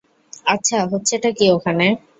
আচ্ছা, হচ্ছেটা কী ওখানে?